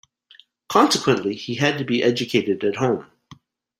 Consequently, he had to be educated at home.